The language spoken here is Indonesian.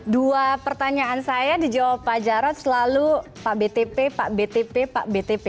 dua pertanyaan saya dijawab pak jarod selalu pak btp pak btp pak btp